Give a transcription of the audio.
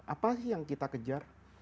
kalau yang kita kejar